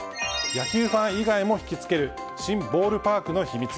野球ファン以外もひきつける新ボールパークの秘密。